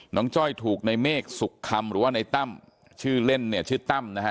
จ้อยถูกในเมฆสุขคำหรือว่าในตั้มชื่อเล่นเนี่ยชื่อตั้มนะฮะ